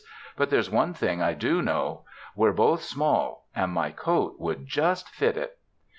But there's one thing I do know: we're both small and my coat would just fit it."